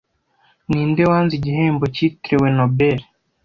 Ninde wanze igihembo cyitiriwe Nobel